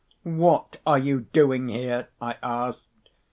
"What are you doing here?" I asked.